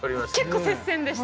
結構接戦でした。